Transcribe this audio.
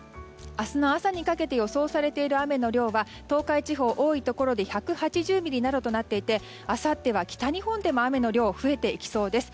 明日の朝にかけて予想されている雨の量は東海地方、多いところで１８０ミリなどとなっていてあさっては北日本でも雨の量が増えていきそうです。